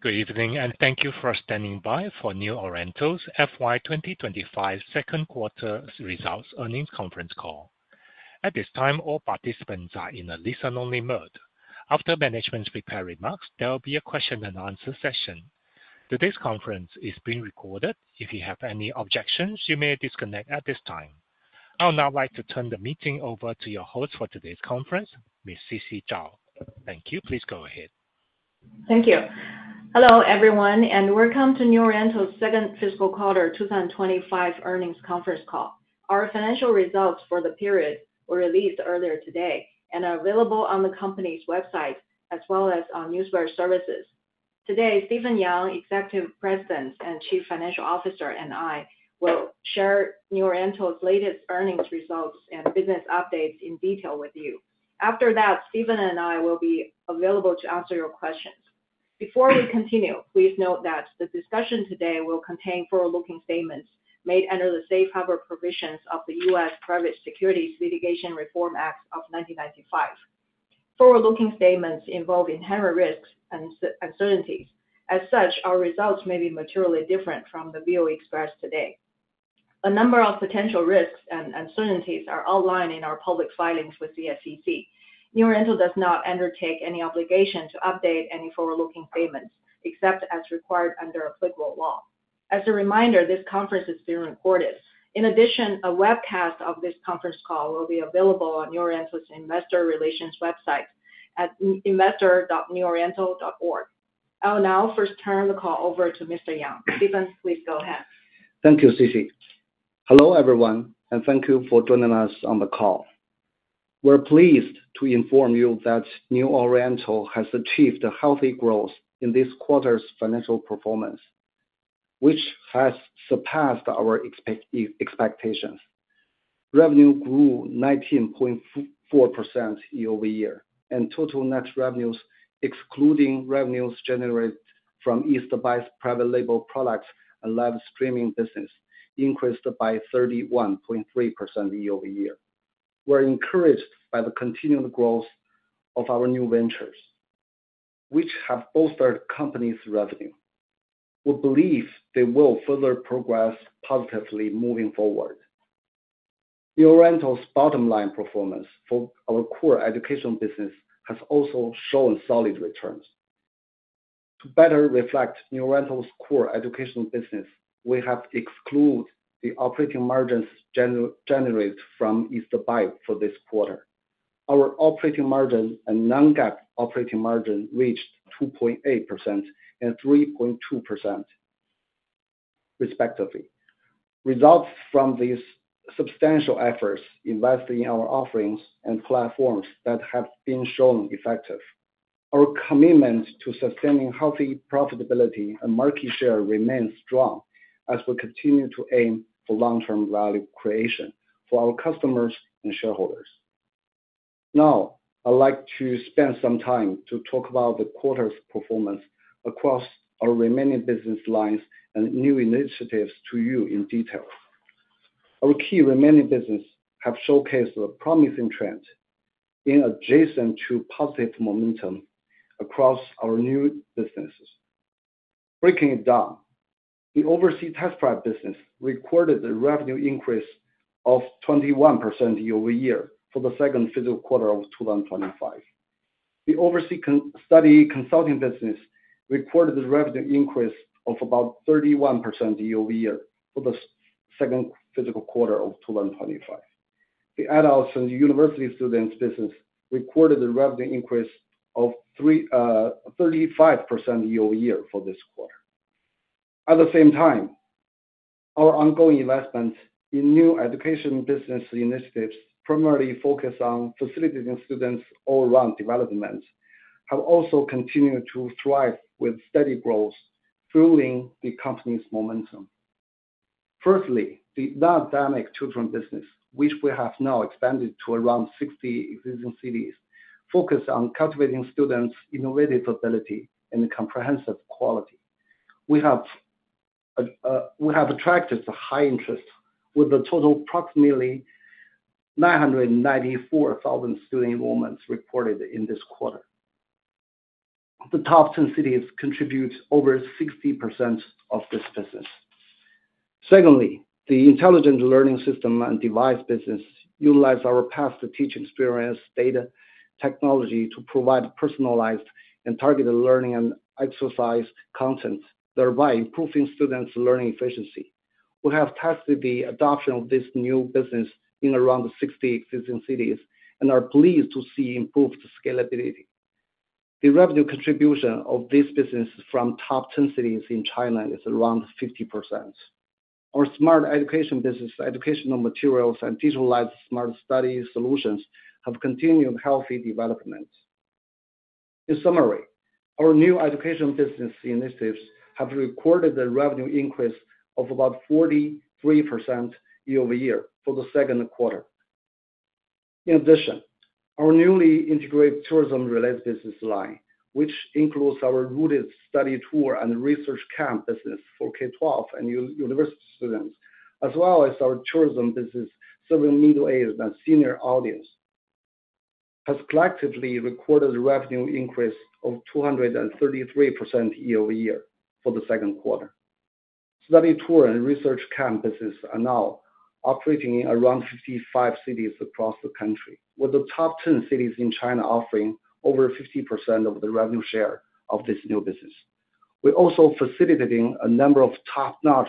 Good evening, and thank you for standing by for New Oriental's FY 2025 Second Quarter's Results Earnings Conference Call. At this time, all participants are in a listen-only mode. After management's prepared remarks, there will be a question-and-answer session. Today's conference is being recorded. If you have any objections, you may disconnect at this time. I would now like to turn the meeting over to your host for today's conference, Ms. Sisi Zhao. Thank you. Please go ahead. Thank you. Hello, everyone, and welcome to New Oriental's Second Fiscal Quarter 2025 Earnings Conference Call. Our financial results for the period were released earlier today and are available on the company's website as well as on newswire services. Today, Stephen Yang, Executive President and Chief Financial Officer, and I will share New Oriental's latest earnings results and business updates in detail with you. After that, Stephen and I will be available to answer your questions. Before we continue, please note that the discussion today will contain forward-looking statements made under the safe harbor provisions of the U.S. Private Securities Litigation Reform Act of 1995. Forward-looking statements involve inherent risks and uncertainties. As such, our results may be materially different from the views expressed today. A number of potential risks and uncertainties are outlined in our public filings with the SEC. New Oriental does not undertake any obligation to update any forward-looking statements except as required under applicable law. As a reminder, this conference is being recorded. In addition, a webcast of this conference call will be available on New Oriental's investor relations website at investor.neworiental.org. I will now first turn the call over to Mr. Yang. Stephen, please go ahead. Thank you, Sisi. Hello, everyone, and thank you for joining us on the call. We're pleased to inform you that New Oriental has achieved healthy growth in this quarter's financial performance, which has surpassed our expectations. Revenue grew 19.4% year-over-year, and total net revenues, excluding revenues generated from East Buy private label products and live streaming business, increased by 31.3% year-over-year. We're encouraged by the continued growth of our new ventures, which have bolstered the company's revenue. We believe they will further progress positively moving forward. New Oriental's bottom-line performance for our core education business has also shown solid returns. To better reflect New Oriental's core education business, we have excluded the operating margins generated from East Buy for this quarter. Our operating margin and Non-GAAP operating margin reached 2.8% and 3.2%, respectively. Results from these substantial efforts invest in our offerings and platforms that have been shown effective. Our commitment to sustaining healthy profitability and market share remains strong as we continue to aim for long-term value creation for our customers and shareholders. Now, I'd like to spend some time to talk about the quarter's performance across our remaining business lines and new initiatives to you in detail. Our key remaining businesses have showcased a promising trend in adjacent to positive momentum across our new businesses. Breaking it down, the overseas test prep business recorded a revenue increase of 21% year-over-year for the second fiscal quarter of 2025. The overseas study consulting business recorded a revenue increase of about 31% year-over-year for the second fiscal quarter of 2025. The adults and university students business recorded a revenue increase of 35% year-over-year for this quarter. At the same time, our ongoing investments in new education business initiatives, primarily focused on facilitating students' all-around development, have also continued to thrive with steady growth, fueling the company's momentum. Firstly, the non-academic children business, which we have now expanded to around 60 existing cities, focuses on cultivating students' innovative ability and comprehensive quality. We have attracted a high interest with a total of approximately 994,000 student enrollments recorded in this quarter. The top 10 cities contribute over 60% of this business. Secondly, the intelligent learning system and device business utilizes our past teaching experience data technology to provide personalized and targeted learning and exercise content, thereby improving students' learning efficiency. We have tested the adoption of this new business in around 60 existing cities and are pleased to see improved scalability. The revenue contribution of this business from top 10 cities in China is around 50%. Our smart education business, educational materials, and digitalized smart study solutions have continued healthy development. In summary, our new education business initiatives have recorded a revenue increase of about 43% year-over-year for the second quarter. In addition, our newly integrated tourism-related business line, which includes our related study tour and research camp business for K-12 and university students, as well as our tourism business serving middle-aged and senior audience, has collectively recorded a revenue increase of 233% year-over-year for the second quarter. Study tour and research camp businesses are now operating in around 55 cities across the country, with the top 10 cities in China offering over 50% of the revenue share of this new business. We're also facilitating a number of top-notch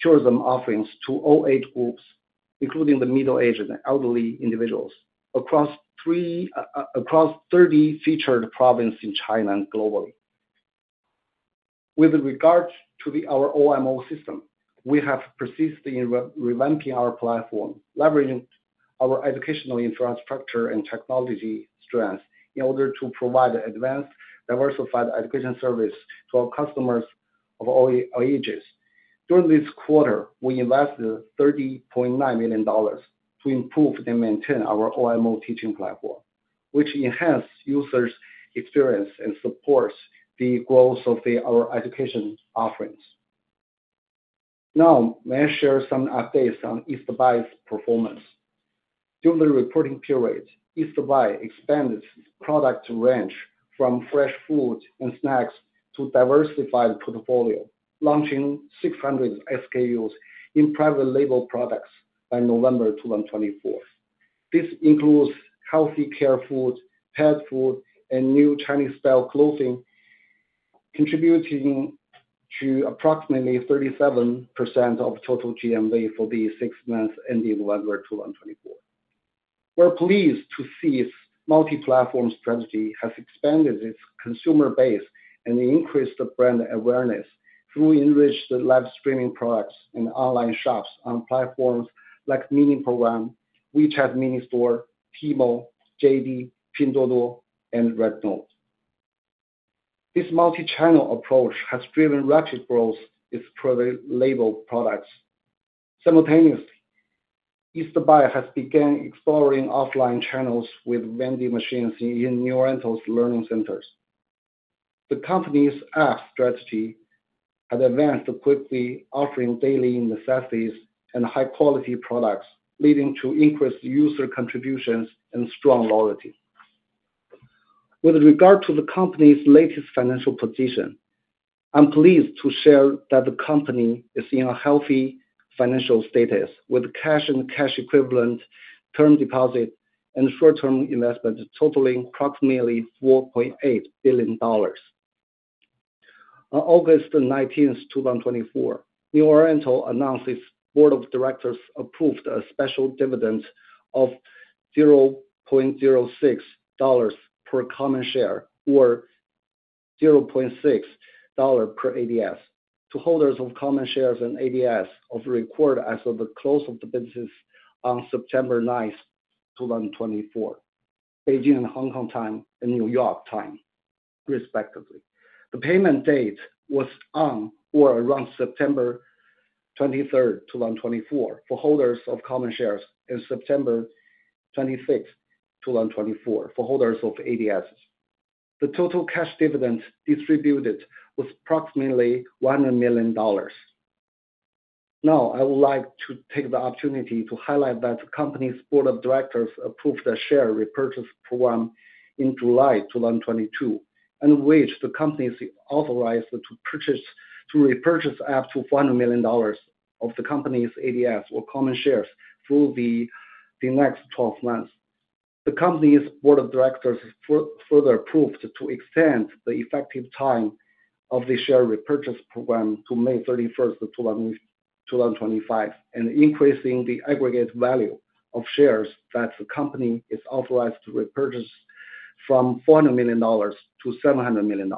tourism offerings to all age groups, including the middle-aged and elderly individuals, across 30 featured provinces in China and globally. With regard to our OMO system, we have persisted in revamping our platform, leveraging our educational infrastructure and technology strengths in order to provide advanced, diversified education services to our customers of all ages. During this quarter, we invested $30.9 million to improve and maintain our OMO teaching platform, which enhances users' experience and supports the growth of our education offerings. Now, may I share some updates on East Buy's performance? During the reporting period, East Buy expanded its product range from fresh food and snacks to a diversified portfolio, launching 600 SKUs in private label products by November 2024. This includes healthcare food, pet food, and new Chinese-style clothing, contributing to approximately 37% of total GMV for the six months ending November 2024. We're pleased to see its multi-platform strategy has expanded its consumer base and increased brand awareness through enriched live streaming products and online shops on platforms like Mini Program, WeChat Mini Store, Tmall, JD, Pinduoduo, and Little Red Book. This multi-channel approach has driven rapid growth in its private label products. Simultaneously, East Buy has begun exploring offline channels with vending machines in New Oriental's learning centers. The company's app strategy has advanced quickly, offering daily necessities and high-quality products, leading to increased user contributions and strong loyalty. With regard to the company's latest financial position, I'm pleased to share that the company is in a healthy financial status with cash and cash equivalent term deposit and short-term investment totaling approximately $4.8 billion. On August 19, 2024, New Oriental announced its board of directors approved a special dividend of $0.06 per common share or $0.6 per ADS to holders of common shares and ADS of record as of the close of the business on September 9, 2024, Beijing and Hong Kong time and New York time, respectively. The payment date was on or around September 23, 2024, for holders of common shares and September 26, 2024, for holders of ADS. The total cash dividend distributed was approximately $100 million. Now, I would like to take the opportunity to highlight that the company's board of directors approved a share repurchase program in July 2022 and the company is authorized to repurchase up to $100 million of the company's ADS or common shares through the next 12 months. The company's board of directors further approved to extend the effective time of the share repurchase program to May 31, 2025, and increasing the aggregate value of shares that the company is authorized to repurchase from $400 million to $700 million.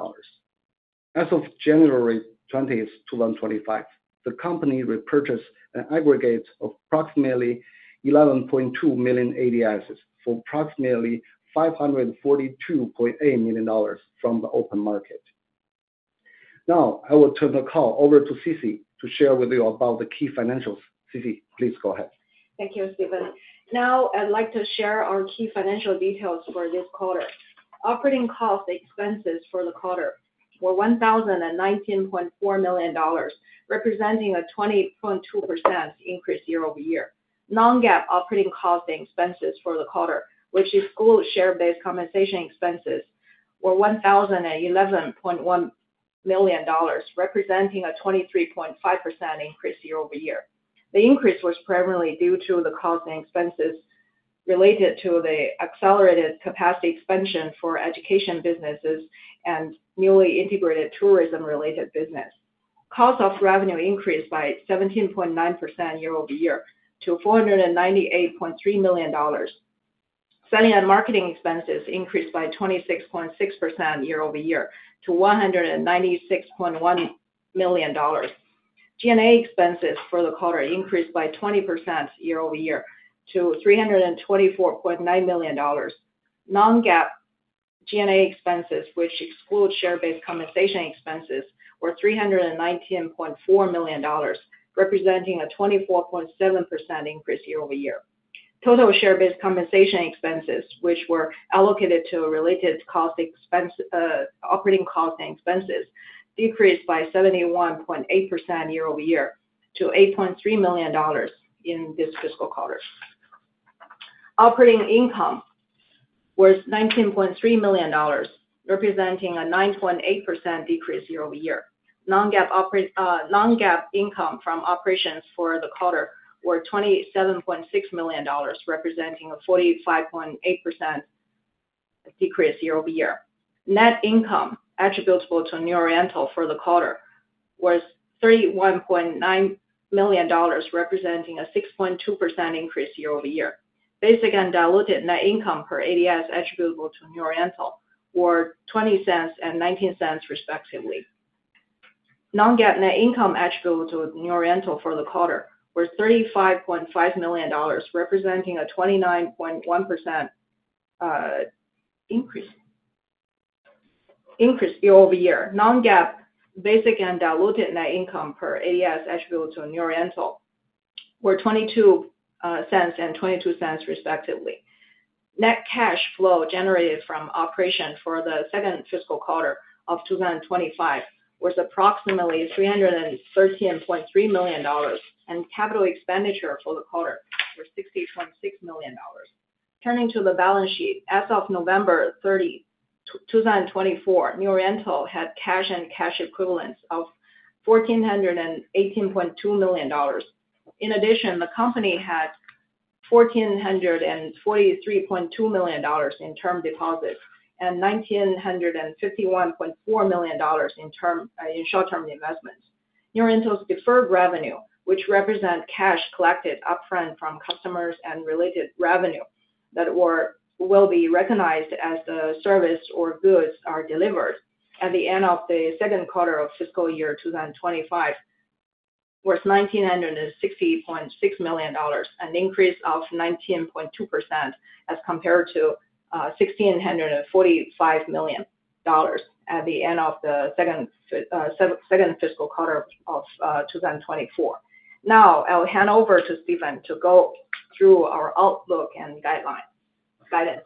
As of January 20, 2025, the company repurchased an aggregate of approximately 11.2 million ADS for approximately $542.8 million from the open market. Now, I will turn the call over to Sisi to share with you about the key financials. Sisi, please go ahead. Thank you, Stephen. Now, I'd like to share our key financial details for this quarter. Operating cost and expenses for the quarter were $1,019.4 million, representing a 20.2% increase year-over-year. Non-GAAP operating cost and expenses for the quarter, which exclude share-based compensation expenses, were $1,011.1 million, representing a 23.5% increase year-over-year. The increase was primarily due to the cost and expenses related to the accelerated capacity expansion for education businesses and newly integrated tourism-related business. Cost of revenue increased by 17.9% year-over-year to $498.3 million. Selling and marketing expenses increased by 26.6% year-over-year to $196.1 million. G&A expenses for the quarter increased by 20% year-over-year to $324.9 million. Non-GAAP G&A expenses, which exclude share-based compensation expenses, were $319.4 million, representing a 24.7% increase year-over-year. Total share-based compensation expenses, which were allocated to related cost of revenue, operating costs and expenses, decreased by 71.8% year-over-year to $8.3 million in this fiscal quarter. Operating income was $19.3 million, representing a 9.8% decrease year-over-year. Non-GAAP income from operations for the quarter was $27.6 million, representing a 45.8% decrease year-over-year. Net income attributable to New Oriental for the quarter was $31.9 million, representing a 6.2% increase year-over-year. Basic and diluted net income per ADS attributable to New Oriental were $0.20 and $0.19, respectively. Non-GAAP net income attributable to New Oriental for the quarter was $35.5 million, representing a 29.1% increase year-over-year. Non-GAAP basic and diluted net income per ADS attributable to New Oriental were $0.22 and $0.22, respectively. Net cash flow generated from operations for the second fiscal quarter of 2025 was approximately $313.3 million, and capital expenditure for the quarter was $60.6 million. Turning to the balance sheet, as of November 30, 2024, New Oriental had cash and cash equivalents of $1,418.2 million. In addition, the company had $1,443.2 million in term deposits and $1,951.4 million in short-term investments. New Oriental's deferred revenue, which represents cash collected upfront from customers and related revenue that will be recognized as the service or goods are delivered at the end of the second quarter of fiscal year 2025, was $1,960.6 million and increased by 19.2% as compared to $1,645 million at the end of the second fiscal quarter of 2024. Now, I'll hand over to Stephen to go through our outlook and guidance.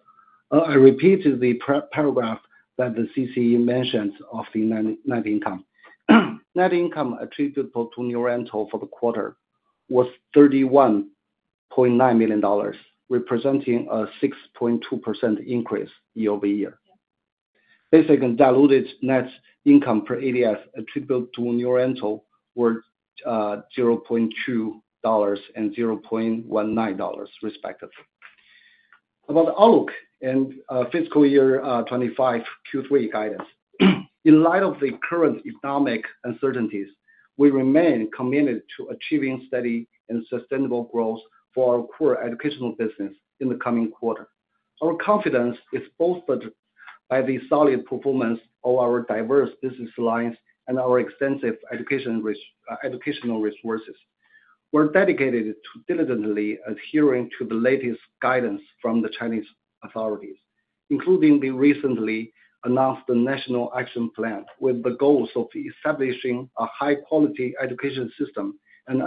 I repeated the paragraph that the CC mentions of the net income. Net income attributable to New Oriental for the quarter was $31.9 million, representing a 6.2% increase year-over-year. Basic and diluted net income per ADS attributable to New Oriental were $0.2 and $0.19, respectively. About the outlook and fiscal year 2025 Q3 guidance, in light of the current economic uncertainties, we remain committed to achieving steady and sustainable growth for our core educational business in the coming quarter. Our confidence is bolstered by the solid performance of our diverse business lines and our extensive educational resources. We're dedicated to diligently adhering to the latest guidance from the Chinese authorities, including the recently announced National Action Plan, with the goals of establishing a high-quality education system and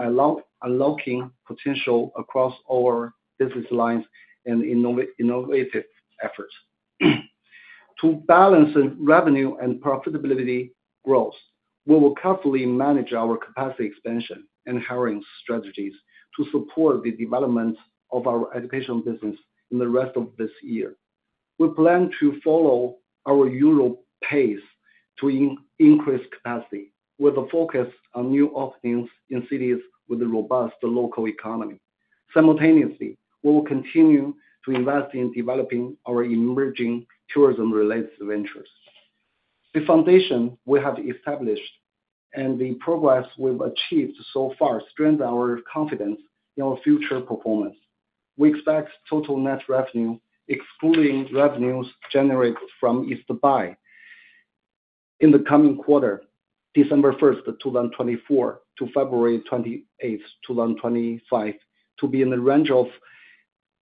unlocking potential across our business lines and innovative efforts. To balance revenue and profitability growth, we will carefully manage our capacity expansion and hiring strategies to support the development of our education business in the rest of this year. We plan to follow our usual pace to increase capacity, with a focus on new openings in cities with a robust local economy. Simultaneously, we will continue to invest in developing our emerging tourism-related ventures. The foundation we have established and the progress we've achieved so far strengthen our confidence in our future performance. We expect total net revenue, excluding revenues generated from East Buy, in the coming quarter, December 1, 2024, to February 28, 2025, to be in the range of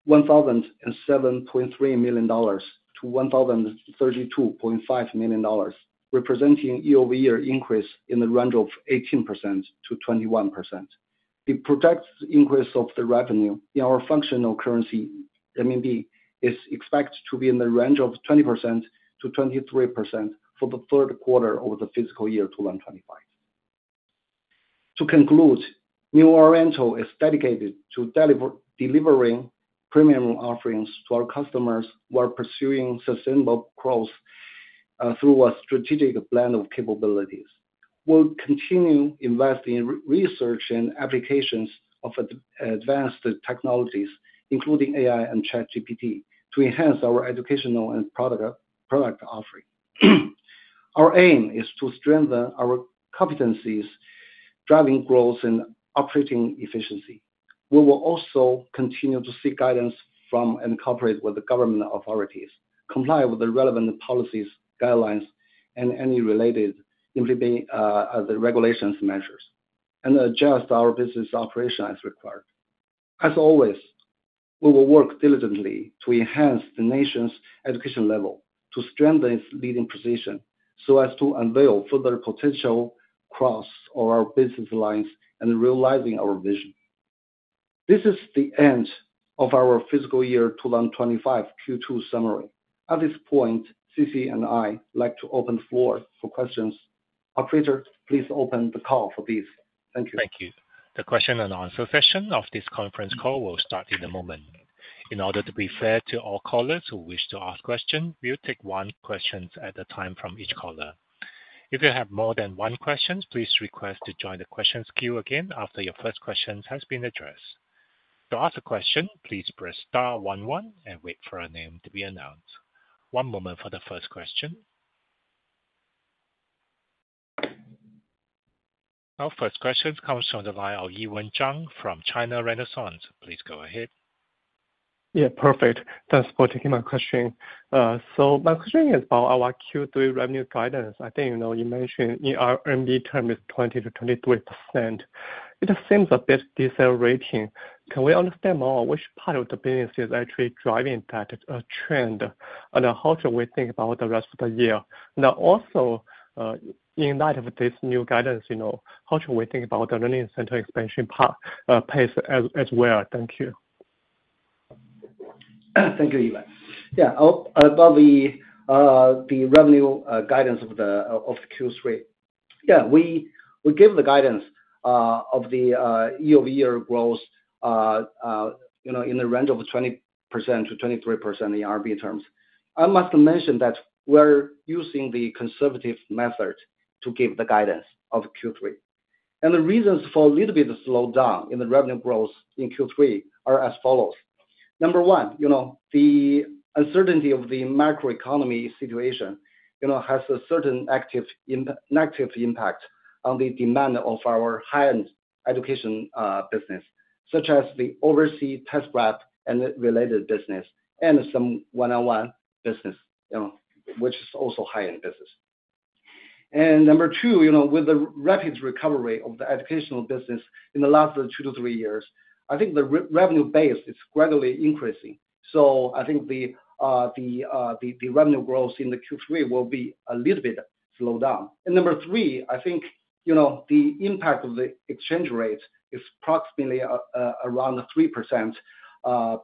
$1,007.3 million-$1,032.5 million, representing year-over-year increase in the range of 18%-21%. The projected increase of the revenue in our functional currency, RMB, is expected to be in the range of 20%-23% for the third quarter of the fiscal year 2025. To conclude, New Oriental is dedicated to delivering premium offerings to our customers while pursuing sustainable growth through a strategic blend of capabilities. We'll continue investing in research and applications of advanced technologies, including AI and ChatGPT, to enhance our educational and product offering. Our aim is to strengthen our competencies, driving growth and operating efficiency. We will also continue to seek guidance from and cooperate with the government authorities, comply with the relevant policies, guidelines, and any related regulatory measures, and adjust our business operations as required. As always, we will work diligently to enhance the nation's education level to strengthen its leading position so as to unveil further potential across our business lines and realizing our vision. This is the end of our fiscal year 2025 Q2 summary. At this point, Sisi and I would like to open the floor for questions. Operator, please open the call for these. Thank you. Thank you. The question and answer session of this conference call will start in a moment. In order to be fair to all callers who wish to ask questions, we'll take one question at a time from each caller. If you have more than one question, please request to join the questions queue again after your first question has been addressed. To ask a question, please press star 11 and wait for a name to be announced. One moment for the first question. Our first question comes from the line of Yiwen Zhang from China Renaissance. Please go ahead. Yeah, perfect. Thanks for taking my question. So my question is about our Q3 revenue guidance. I think you mentioned in RMB terms is 20%-23%. It seems a bit decelerating. Can we understand more which part of the business is actually driving that trend, and how should we think about the rest of the year? Now, also, in light of this new guidance, how should we think about the learning center expansion path as well? Thank you. Thank you, Yiwen. Yeah, about the revenue guidance of the Q3. Yeah, we gave the guidance of the year-over-year growth in the range of 20%-23% in RMB terms. I must mention that we're using the conservative method to give the guidance of Q3. And the reasons for a little bit of slowdown in the revenue growth in Q3 are as follows. Number one, the uncertainty of the macroeconomy situation has a certain negative impact on the demand of our high-end education business, such as the overseas test prep and related business and some one-on-one business, which is also high-end business. And number two, with the rapid recovery of the educational business in the last two to three years, I think the revenue base is gradually increasing. So I think the revenue growth in the Q3 will be a little bit slowed down. Number three, I think the impact of the exchange rate is approximately around a 3 percentage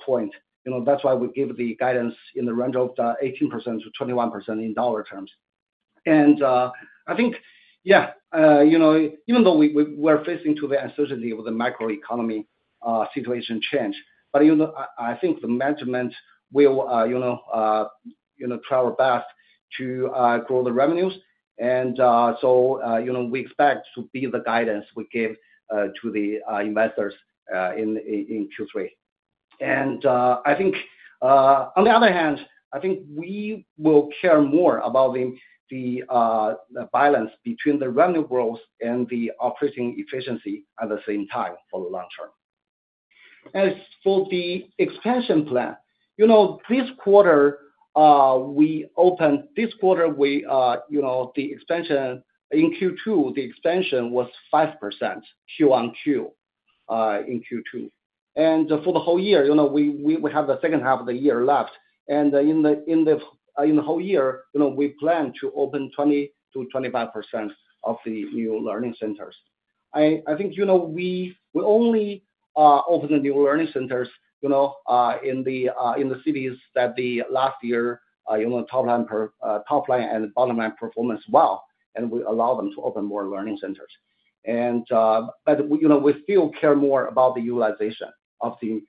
point. That's why we give the guidance in the range of 18%-21% in dollar terms. I think, yeah, even though we're facing the uncertainty of the macroeconomy situation change, but I think the management will try our best to grow the revenues. So we expect to be the guidance we give to the investors in Q3. I think, on the other hand, I think we will care more about the balance between the revenue growth and the operating efficiency at the same time for the long term. As for the expansion plan, this quarter, we opened this quarter, the expansion in Q2, the expansion was 5% QoQ in Q2. For the whole year, we have the second half of the year left. And in the whole year, we plan to open 20%-25% of the new learning centers. I think we only opened the new learning centers in the cities that the last year top line and bottom line performance well, and we allowed them to open more learning centers. But we still care more about the utilization of the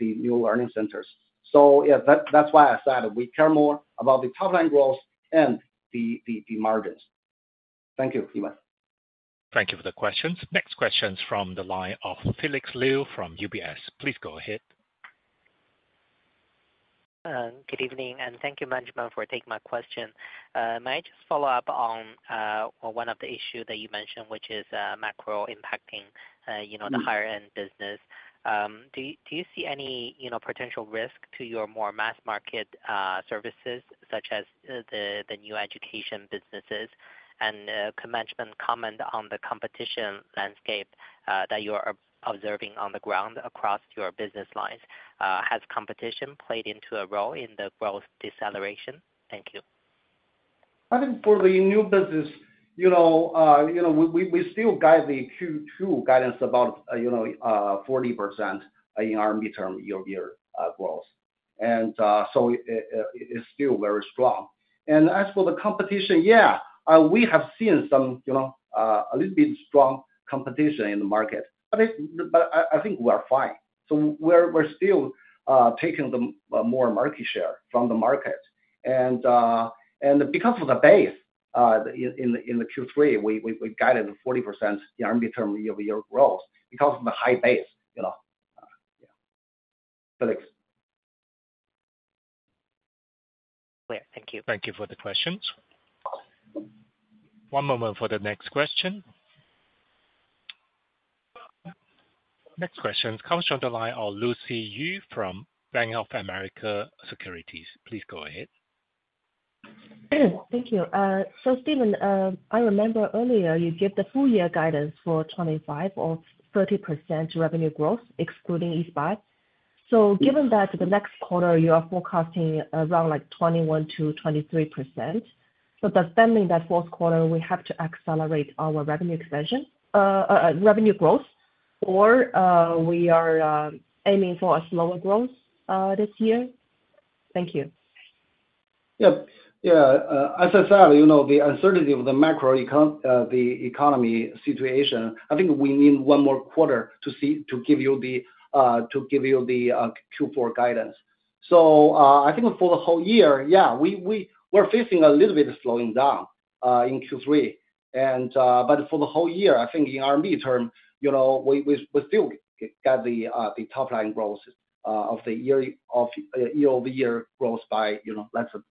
new learning centers. So yeah, that's why I said we care more about the top line growth and the margins. Thank you, Yiwen. Thank you for the questions. Next question is from the line of Felix Liu from UBS. Please go ahead. Good evening, and thank you, Mr. Yang, for taking my question. May I just follow up on one of the issues that you mentioned, which is macro impacting the higher-end business? Do you see any potential risk to your more mass market services, such as the new education businesses? And could Mr. Yang comment on the competition landscape that you're observing on the ground across your business lines? Has competition played into a role in the growth deceleration? Thank you. I think for the new business, we still guide the Q2 guidance about 40% in RMB term year-over-year growth. And so it's still very strong. And as for the competition, yeah, we have seen a little bit strong competition in the market. But I think we're fine. So we're still taking more market share from the market. And because of the base in the Q3, we guided 40% in RMB term year-over-year growth because of the high base. Yeah. Felix. Clear. Thank you. Thank you for the questions. One moment for the next question. Next question comes from the line of Lucy Yu from Bank of America Securities. Please go ahead. Thank you. So Stephen, I remember earlier you gave the full year guidance for 25% or 30% revenue growth, excluding East Buy. So given that the next quarter, you are forecasting around 21% to 23%. So does that mean that fourth quarter, we have to accelerate our revenue growth, or we are aiming for a slower growth this year? Thank you. Yeah. Yeah. As I said, the uncertainty of the macroeconomic situation, I think we need one more quarter to give you the Q4 guidance. So I think for the whole year, yeah, we're facing a little bit of slowing down in Q3. But for the whole year, I think in RMB terms, we still got the top line growth of the year-over-year growth by,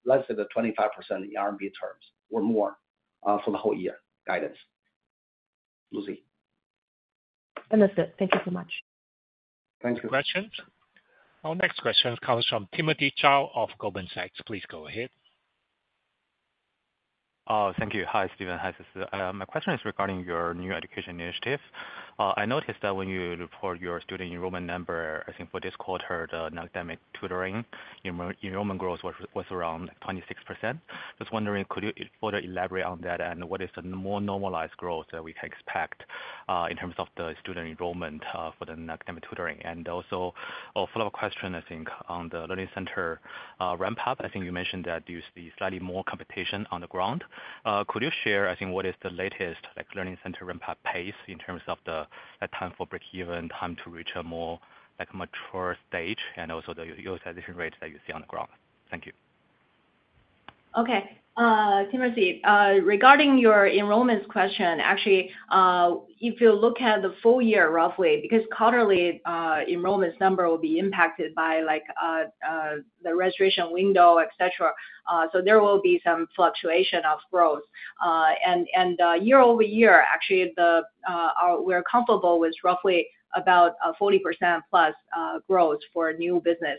let's say, the 25% in RMB terms or more for the whole year guidance. Lucy. Understood. Thank you so much. Thank you. Questions. Our next question comes from Timothy Zhao of Goldman Sachs. Please go ahead. Thank you. Hi, Stephen. Hi, Sisi. My question is regarding your new education initiative. I noticed that when you report your student enrollment number, I think for this quarter, the academic tutoring enrollment growth was around 26%. Just wondering, could you further elaborate on that, and what is the more normalized growth that we can expect in terms of the student enrollment for the academic tutoring? And also, a follow-up question, I think, on the learning center ramp-up. I think you mentioned that there's slightly more competition on the ground. Could you share, I think, what is the latest learning center ramp-up pace in terms of the time for break-even, time to reach a more mature stage, and also the utilization rate that you see on the ground? Thank you. Okay. Timothy, regarding your enrollments question, actually, if you look at the full year roughly, because quarterly enrollments number will be impacted by the registration window, etc., so there will be some fluctuation of growth. And year-over-year, actually, we're comfortable with roughly about 40% plus growth for new business,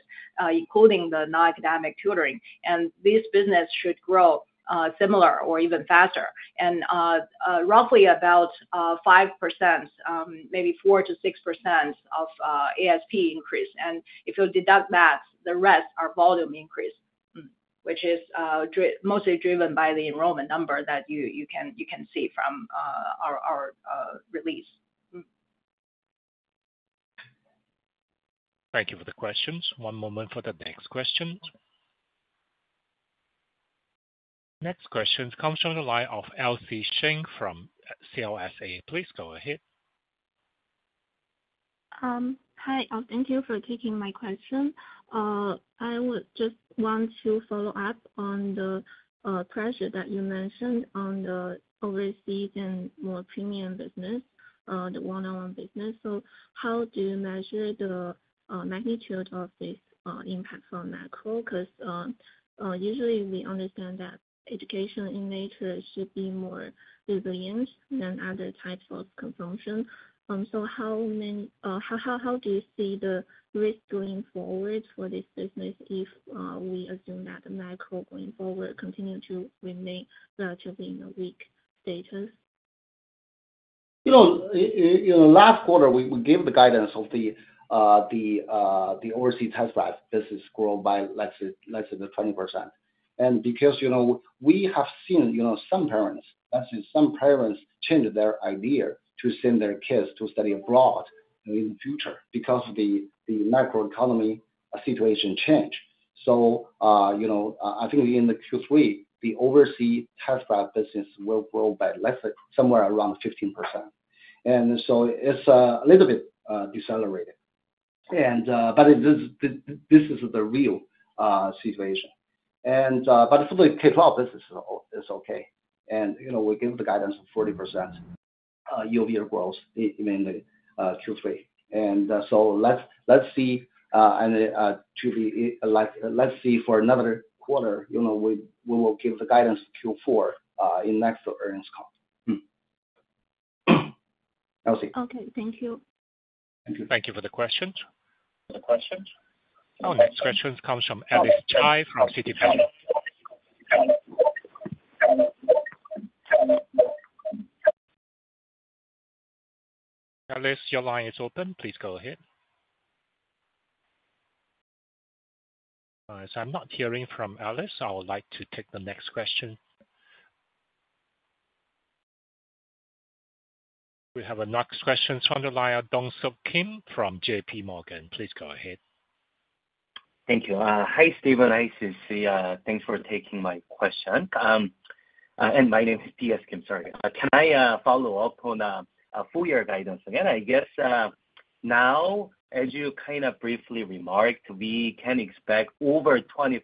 including the non-academic tutoring. And this business should grow similar or even faster. And roughly about 5%, maybe 4%-6% of ASP increase. And if you deduct that, the rest are volume increase, which is mostly driven by the enrollment number that you can see from our release. Thank you for the questions. One moment for the next question. Next question comes from the line of Elsie Cheng from CLSA. Please go ahead. Hi. Thank you for taking my question. I would just want to follow up on the pressure that you mentioned on the overseas and more premium business, the one-on-one business. So how do you measure the magnitude of this impact from macro? Because usually, we understand that education in nature should be more resilient than other types of consumption. So how do you see the risk going forward for this business if we assume that the macro going forward continue to remain relatively in a weak status? Last quarter, we gave the guidance of the overseas test prep business grow by, let's say, 20%. And because we have seen some parents, let's say, some parents change their idea to send their kids to study abroad in the future because of the macroeconomic situation change, so I think in the Q3, the overseas test prep business will grow by, let's say, somewhere around 15%, and so it's a little bit decelerated. But this is the real situation. But for the K12, this is okay, and we gave the guidance of 40% year-over-year growth in the Q3. And so let's see for another quarter, we will give the guidance Q4 in next earnings call. That was it. Okay. Thank you. Thank you. Thank you for the questions. For the questions. Our next question comes from Alice Cai from Citi. Alice, your line is open. Please go ahead. All right. So I'm not hearing from Alice. I would like to take the next question. We have a next question from the line of Dongseok Kim from JP Morgan. Please go ahead. Thank you. Hi, Stephen. Hi, Sisi. Thanks for taking my question, and my name is DS Kim. Sorry. Can I follow up on a full year guidance again? I guess now, as you kind of briefly remarked, we can expect over 25%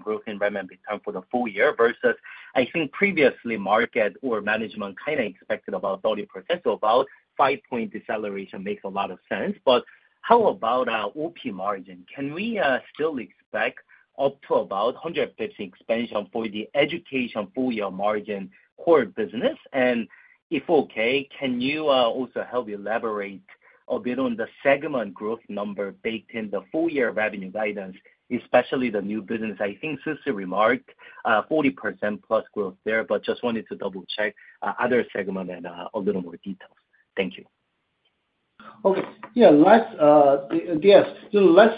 growth in revenue growth for the full year versus I think previously market or management kind of expected about 30%. So, about 5-point deceleration makes a lot of sense, but how about OP margin? Can we still expect up to about 150 expansion for the education full year margin core business? And, if okay, can you also help elaborate a bit on the segment growth number baked in the full year revenue guidance, especially the new business? I think Sisi remarked 40% plus growth there, but just wanted to double-check other segment and a little more details. Thank you. Let's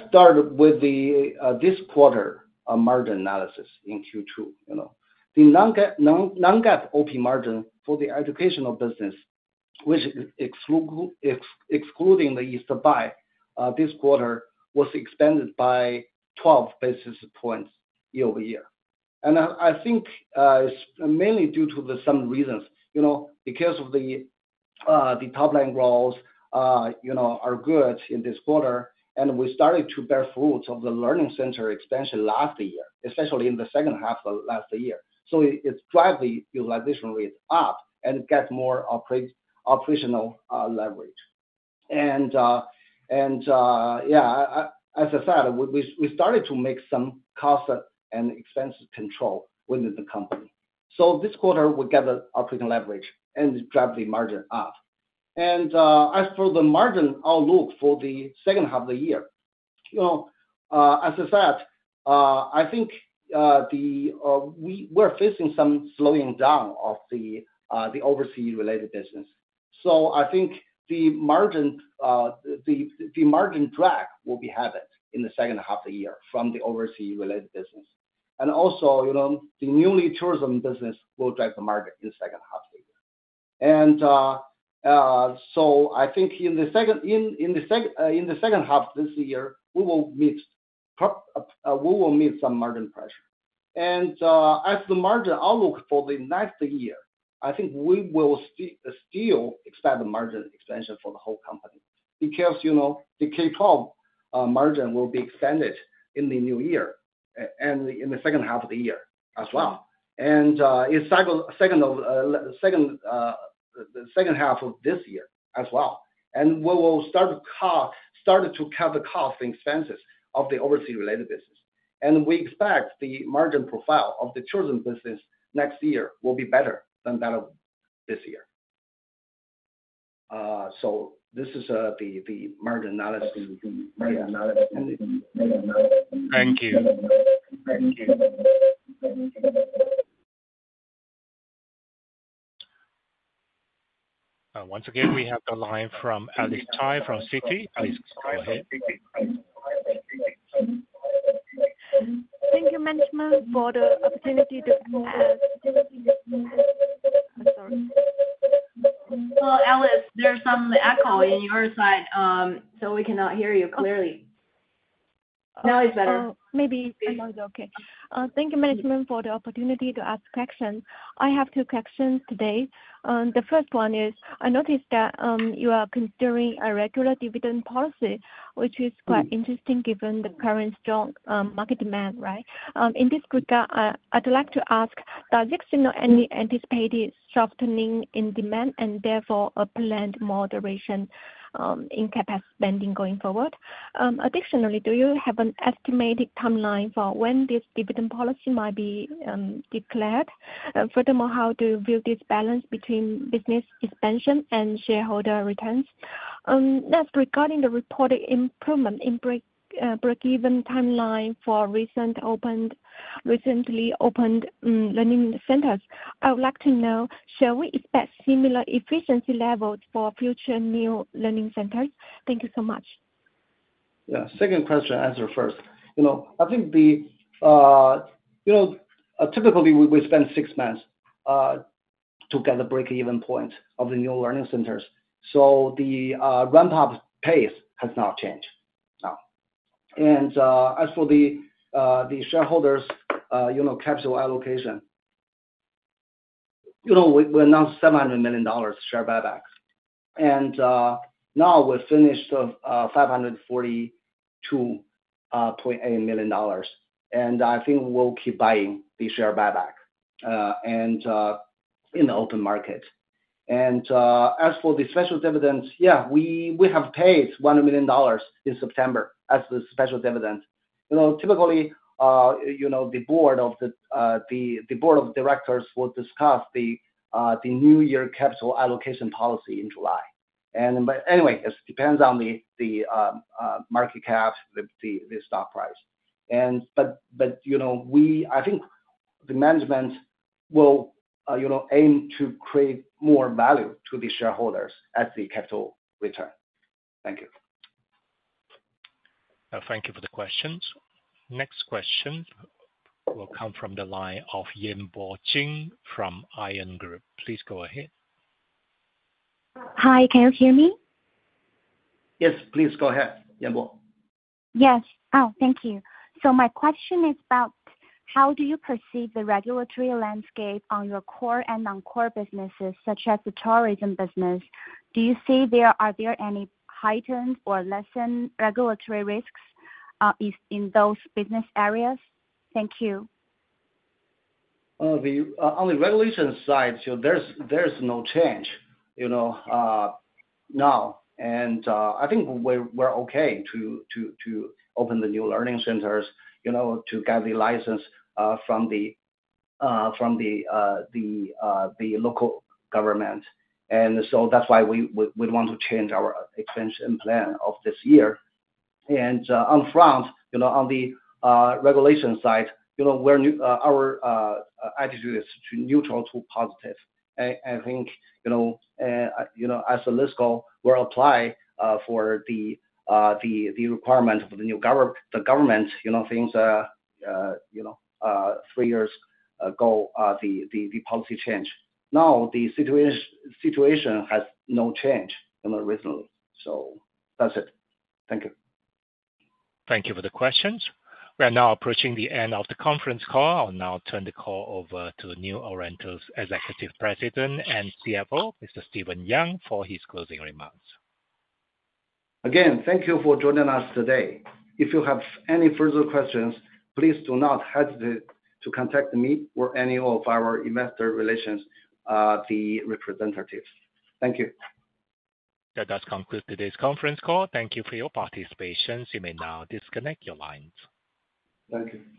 start with this quarter margin analysis in Q2. The Non-GAAP OP margin for the educational business, which excluding the East Buy, this quarter was expanded by 12 basis points year-over-year. I think it's mainly due to some reasons because the top line growth are good in this quarter, and we started to bear fruits of the learning center expansion last year, especially in the second half of last year. It drove the utilization rate up and got more operational leverage. Yeah, as I said, we started to make some cost and expense control within the company. This quarter, we got the operating leverage and drove the margin up. As for the margin outlook for the second half of the year, as I said, I think we're facing some slowing down of the overseas-related business. So I think the margin drag will be abated in the second half of the year from the overseas-related business. And also, the new tourism business will drive the margin in the second half of the year. And so I think in the second half of this year, we will meet some margin pressure. And as the margin outlook for the next year, I think we will still expect the margin expansion for the whole company because the K-12 margin will be expanded in the new year and in the second half of the year as well. And in the second half of this year as well. And we will start to cut the cost and expenses of the overseas-related business. And we expect the margin profile of the tourism business next year will be better than that of this year. So this is the margin analysis. Thank you. Once again, we have the line from Alice Cai from Citi. Alice, go ahead. Thank you, management, for the opportunity to. I'm sorry. Well, Alice, there's some echo on your side, so we cannot hear you clearly. Now it's better. Maybe it was okay. Thank you, management, for the opportunity to ask questions. I have two questions today. The first one is, I noticed that you are considering a regular dividend policy, which is quite interesting given the current strong market demand, right? In this regard, I'd like to ask, does it signal any anticipated softening in demand and therefore a planned moderation in CapEx spending going forward? Additionally, do you have an estimated timeline for when this dividend policy might be declared? Furthermore, how do you view this balance between business expansion and shareholder returns? Next, regarding the reported improvement in break-even timeline for recently opened learning centers, I would like to know, shall we expect similar efficiency levels for future new learning centers? Thank you so much. Yeah. Second question, answer first. I think typically, we spend six months to get the break-even point of the new learning centers. So the ramp-up pace has not changed. And as for the shareholders' capital allocation, we announced $700 million share buyback. And now we've finished $542.8 million. And I think we'll keep buying the share buyback in the open market. And as for the special dividends, yeah, we have paid $1 million in September as the special dividend. Typically, the board of directors will discuss the new year capital allocation policy in July. And anyway, it depends on the market cap, the stock price. But I think the management will aim to create more value to the shareholders as the capital return. Thank you. Thank you for the questions. Next question will come from the line of Yanbo Jin from Macquarie. Please go ahead. Hi. Can you hear me? Yes. Please go ahead, Yanbo. Yes. Oh, thank you. So my question is about how do you perceive the regulatory landscape on your core and non-core businesses, such as the tourism business? Do you see there are any heightened or lessened regulatory risks in those business areas? Thank you. On the regulation side, so there's no change now, and I think we're okay to open the new learning centers to get the license from the local government, and so that's why we want to change our expansion plan of this year, and up front, on the regulation side, our attitude is neutral to positive. I think as a list goal, we'll apply for the requirement of the new government things three years ago, the policy change. Now, the situation has no change recently, so that's it. Thank you. Thank you for the questions. We are now approaching the end of the conference call. I'll now turn the call over to New Oriental's Executive President and CFO, Mr. Stephen Yang, for his closing remarks. Again, thank you for joining us today. If you have any further questions, please do not hesitate to contact me or any of our investor relations, the representatives. Thank you. That does conclude today's conference call. Thank you for your participation. You may now disconnect your lines. Thank you.